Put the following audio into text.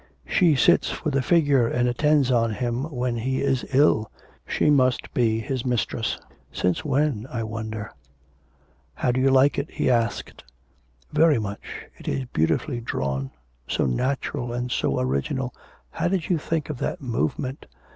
'She sits for the figure and attends on him when he is ill, she must be his mistress. Since when I wonder?' 'How do you like it?' he asked. 'Very much. It is beautifully drawn, so natural and so original. How did you think of that movement?